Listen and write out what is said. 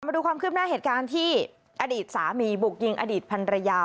มาดูความคืบหน้าเหตุการณ์ที่อดีตสามีบุกยิงอดีตพันรยา